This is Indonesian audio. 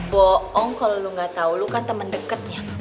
boong kalo lo gak tau lo kan temen deketnya